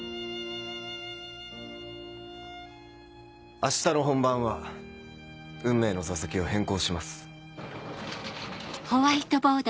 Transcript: あしたの本番は『運命』の座席を変更します。